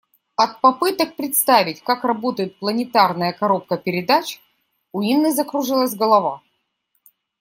От попыток представить, как работает планетарная коробка передач, у Инны закружилась голова.